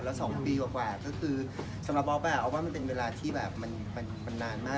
แล้ว๒ปีกว่ากว่าสำหรับอ๊อคมันเป็นเวลาที่มันนานมาก